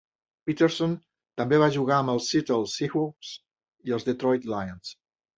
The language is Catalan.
Peterson també va jugar amb els Seattle Seahawks i els Detroit Lions.